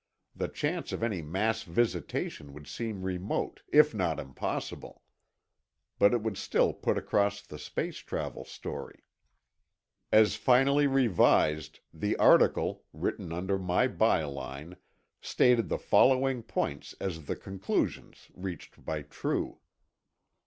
The chance of any mass visitation would seem remote, if not impossible. But it would still put across the space travel story. As finally revised, the article, written under my byline, stated the following points as the conclusions reached by True: 1.